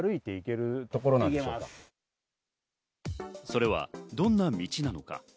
それはどんな道なのか？